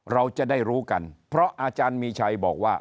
เราจะได้รู้กันเพราะอาจารย์มีชัยบอกว่า